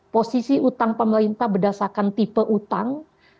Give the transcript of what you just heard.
posisi utang pemerintah berdasarkan tipe utang